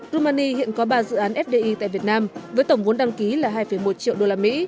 rumani hiện có ba dự án fdi tại việt nam với tổng vốn đăng ký là hai một triệu usd